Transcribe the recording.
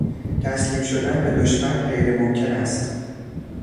تسلیم شدن به دشمن غیر ممکن است.